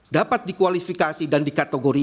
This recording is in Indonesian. dapat dikualifikasi dan dikategorikan